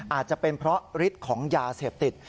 อาจจะเป็นเพราะฤทธิ์ของยาเสพติด